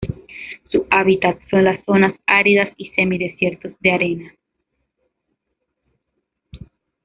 Su hábitat son las zonas áridas y semidesiertos de arena.